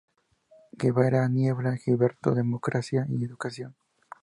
Guevara Niebla, Gilberto, Democracia y educación.